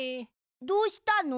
どうしたの？